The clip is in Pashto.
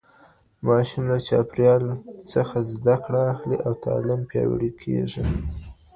ماشوم له چاپېريال څخه زده کړه اخلي او تعليم پياوړی کېږي.